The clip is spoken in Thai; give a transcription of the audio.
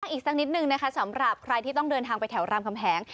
อีกสักนิดนึงนะคะสำหรับใครที่ต้องเดินทางไปแถวรามคำแหง